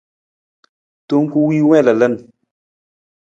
Tong ku wii wii lalan.